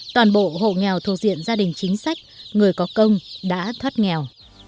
toàn bộ hộ nghèo thuộc diện gia đình chính sách người có công đã thoát nghèo